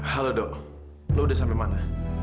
halo dok lo udah sampai mana